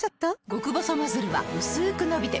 極細ノズルはうすく伸びて